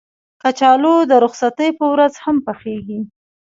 کچالو د رخصتۍ په ورځ هم پخېږي